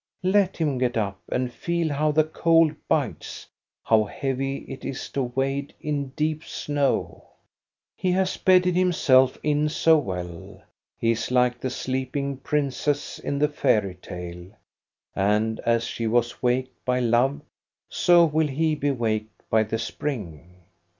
Let him get up and feel how the cold bites, how heavy it is to wade in deep snow. He has bedded himself in so well. He is like the sleeping princess in the fairy tale; and as she was waked by love, so will he be waked by the spring.